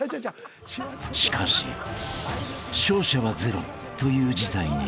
［しかし勝者はゼロという事態に］